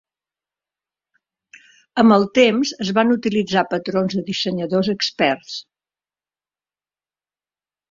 Amb el temps, es van utilitzar patrons de dissenyadors experts.